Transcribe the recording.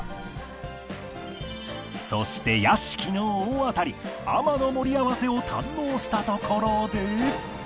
［そして屋敷の大当たり海女の盛り合わせを堪能したところで］